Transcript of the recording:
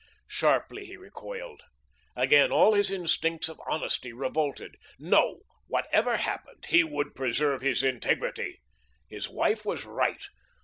Sharply he recoiled. Again all his instincts of honesty revolted. No, whatever happened, he would preserve his integrity. His wife was right.